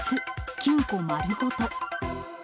金庫丸ごと。